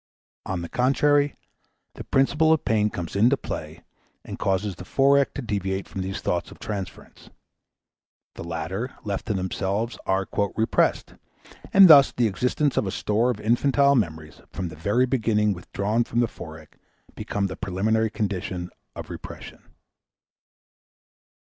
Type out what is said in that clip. On the contrary, the principle of pain comes into play, and causes the Forec. to deviate from these thoughts of transference. The latter, left to themselves, are "repressed," and thus the existence of a store of infantile memories, from the very beginning withdrawn from the Forec., becomes the preliminary condition of repression.